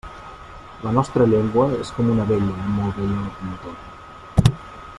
La nostra llengua és com una vella, molt vella, locomotora.